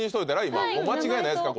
今もう間違いないですか？